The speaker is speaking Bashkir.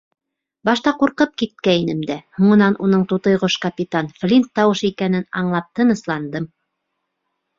Башта ҡурҡып киткәйнем дә, һуңынан, уның тутыйғош Капитан Флинт тауышы икәнен аңлап, тынысландым.